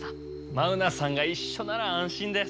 マウナさんがいっしょなら安心です。